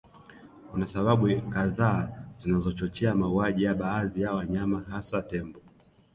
Kuna sababu kadhaa zinazochochea mauaji ya baadhi ya wanyama hasa Tembo